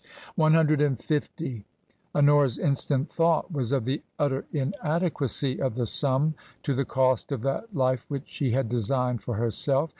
One hundred and fifty! Honora's instant thought was of the utter inadequacy of the sum to the cost of that life which she had designed for herself.